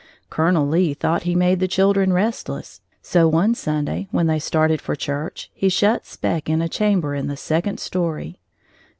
Colonel Lee thought he made the children restless, so one Sunday, when they started for church, he shut Spec in a chamber in the second story.